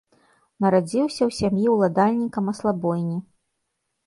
Нарадзіўся ў сям'і ўладальніка маслабойні.